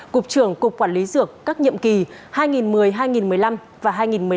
cục trưởng cục quản lý dược các nhiệm kỳ hai nghìn một mươi hai nghìn một mươi năm và hai nghìn một mươi năm hai nghìn hai mươi